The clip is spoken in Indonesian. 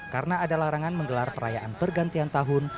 karena ada larangan menggelar perayaan pergantian tahun